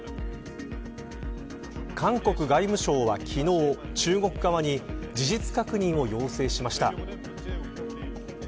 韓国外務省は昨日中国側に事実確認を要請しました。